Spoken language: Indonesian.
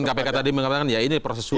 kpk tadi mengatakan ya ini proses hukum